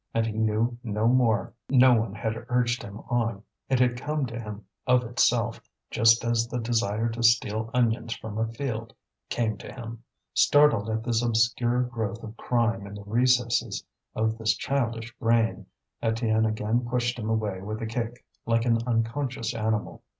And he knew no more; no one had urged him on, it had come to him of itself, just as the desire to steal onions from a field came to him. Startled at this obscure growth of crime in the recesses of this childish brain, Étienne again pushed him away with a kick, like an unconscious animal.